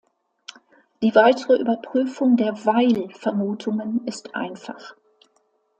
Die weitere Überprüfung der Weil-Vermutungen ist einfach.